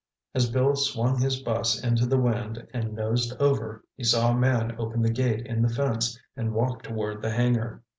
As Bill swung his bus into the wind and nosed over, he saw a man open the gate in the fence and walk toward the hangar.